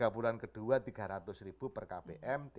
tiga bulan kedua tiga ratus per kpm